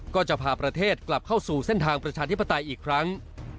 ก็จะพาประเทศกลับเข้าสู่เส้นทางประชาธิปไตยอีกครั้ง